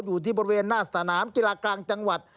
อยู่ที่บริเวณหน้าสนามกีฬากลางจังหวัด